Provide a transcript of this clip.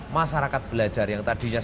masyarakat belajar yang tadinya